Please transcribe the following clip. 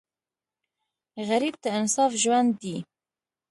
غریب ته انصاف ژوند دی